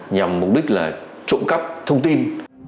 nhằm mục đích là trộm cắp thông tin